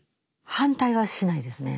反対はしないですね。